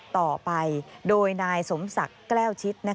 ต่อไปโดยนายสมศักดิ์แก้วชิด